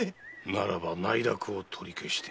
ならば内諾を取り消してもよいぞ。